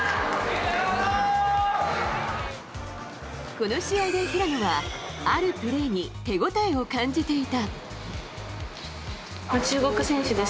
この試合で、平野はあるプレーに手応えを感じていた。